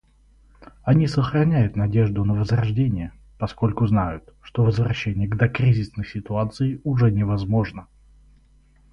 Они сохраняют надежду на возрождение, поскольку знают, что возвращение к докризисной ситуации уже невозможно.